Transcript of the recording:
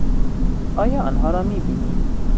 آیا آنها را می بینی؟